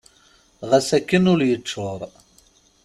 Ɣas akken ul yeččur.